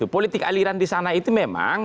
politik aliran di sana itu memang